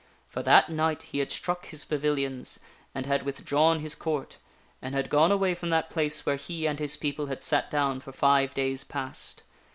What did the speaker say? For that night he had struck his pavilions, and had withdrawn his Court, and had gone away from that place where he and his people had sat down for five days past.